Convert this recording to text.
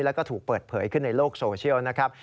แล้วก็ถูกเปิดเผยขึ้นในโลกโซเชียลนะครับ